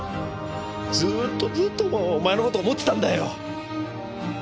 ずーっとずっともうお前の事を思ってたんだよ。